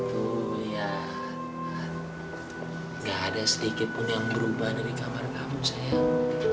tuh ya nggak ada sedikitpun yang berubah dari kamar kamu sayang